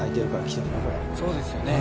そうですよね。